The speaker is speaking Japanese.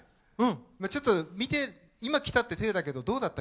ちょっと今来たってていだけどどうだった？